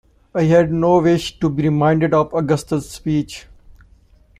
I had no wish to be reminded of Augustus's speech.